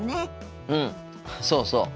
うんそうそう。